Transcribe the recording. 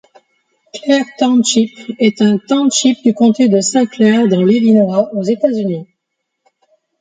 Clair Township est un township du comté de Saint Clair dans l'Illinois, aux États-Unis.